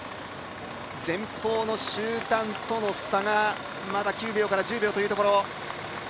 前方の集団との差がまだ９秒から１０秒というところ。